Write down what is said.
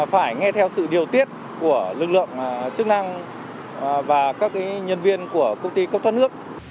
phải nghe theo sự điều tiết của lực lượng chức năng và các nhân viên của công ty cấp thoát nước